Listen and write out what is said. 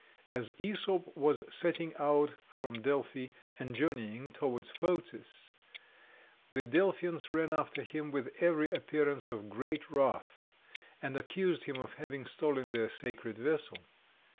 As Æsop was setting out from Delphi, and journeying towards Phocis, the Delphians ran after him with every appearance of great wrath, and accused him of having stolen their sacred vessel.